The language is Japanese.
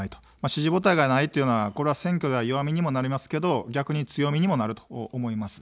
支持母体がないというのは選挙では弱みにもなりますけど逆に強みにもなると思います。